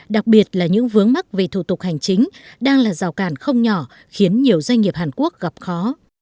đặc biệt là những vướng mắc về thủ tục hành chính đang là rào cản không nhỏ khiến nhiều doanh nghiệp hàn quốc gặp khó